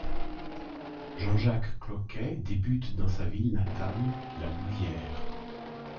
Jean-Jacques Cloquet débute dans sa ville natale, La Louvière.